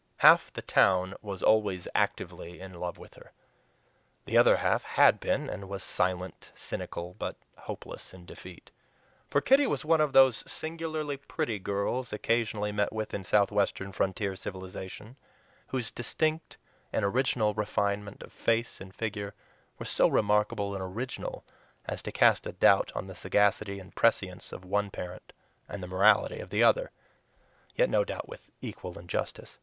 Half the town was always actively in love with her; the other half HAD BEEN, and was silent, cynical, but hopeless in defeat. For Kitty was one of those singularly pretty girls occasionally met with in Southwestern frontier civilization whose distinct and original refinement of face and figure were so remarkable and original as to cast a doubt on the sagacity and prescience of one parent and the morality of the other, yet no doubt with equal injustice.